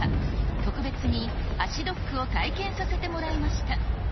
特別に足ドックを体験させてもらいました。